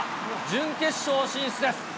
準決勝進出です。